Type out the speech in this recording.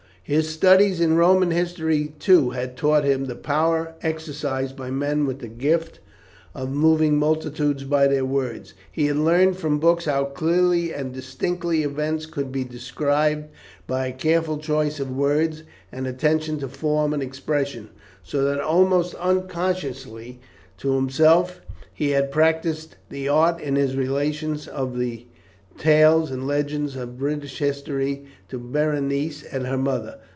His studies in Roman history, too, had taught him the power exercised by men with the gift of moving multitudes by their words; he had learned from books how clearly and distinctly events could be described by a careful choice of words, and attention to form and expression, so that almost unconsciously to himself he had practised the art in his relations of the tales and legends of British history to Berenice and her mother.